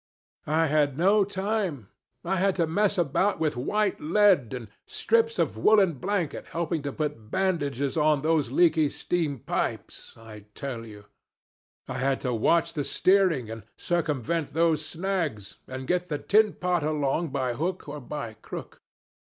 I had no time. I had to mess about with white lead and strips of woolen blanket helping to put bandages on those leaky steam pipes I tell you. I had to watch the steering, and circumvent those snags, and get the tin pot along by hook or by crook.